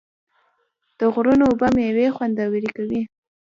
د غرونو اوبه میوې خوندورې کوي.